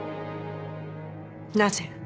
なぜ？